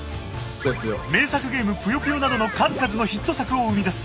名作ゲーム「ぷよぷよ」などの数々のヒット作を生み出す。